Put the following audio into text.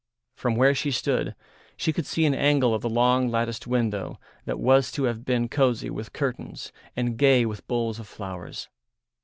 From where she stood she could see an angle of the long latticed window that was to have been cosy with curtains and gay with bowls of flowers.